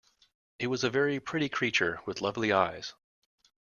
It was a very pretty creature, with lovely eyes.